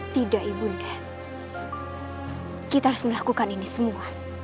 tidak ibu nda kita harus melakukan ini semua